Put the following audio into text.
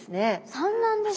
産卵ですか。